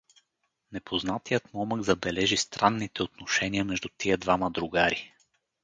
Непознатият момък забележи странните отношения между тия двама другари.